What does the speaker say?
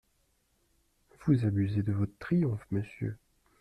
Vous abusez de votre triomphe, monsieur.